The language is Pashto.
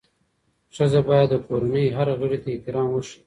ښځه باید د کورنۍ هر غړي ته احترام وښيي.